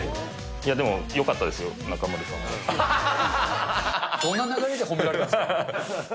いや、でも、よかったですよ、どんな流れで褒められるんですか。